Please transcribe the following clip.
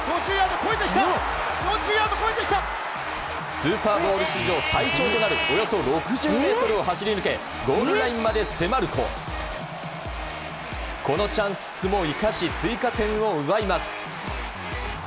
スーパーボウル史上最長となるおよそ６０ｍを走り抜けゴールラインまで迫るとこのチャンスも生かし追加点を奪います。